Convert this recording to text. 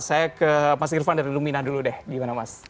saya ke mas irvan dari lumina dulu deh gimana mas